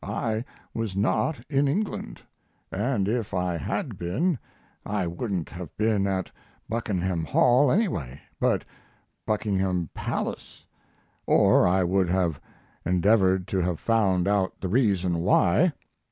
I was not in England, and if I had been I wouldn't have been at Buckenham Hall anyway, but Buckingham Palace, or I would have endeavored to have found out the reason why...